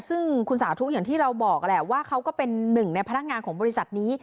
ซึ่งคุณสาธุอย่างที่เราบอกแหละว่าเขาก็เป็นหนึ่งในพนักงานของบริษัทนี้